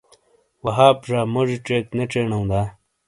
وہاب زا موجی چیک نے چینو دا؟